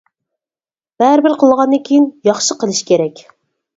بەرىبىر قىلغاندىن كىيىن، ياخشى قىلىش كېرەك.